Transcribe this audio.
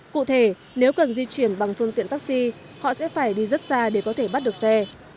cụ thể nếu cần di chuyển bằng phương tiện taxi họ sẽ phải đi rất xa để có thể bắt được xe